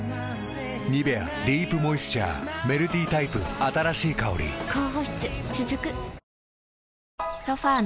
「ニベアディープモイスチャー」メルティタイプ新しい香り高保湿続く。